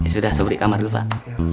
sudah sobri kamar dulu pak